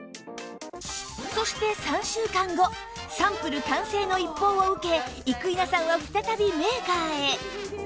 そして３週間後サンプル完成の一報を受け生稲さんは再びメーカーへ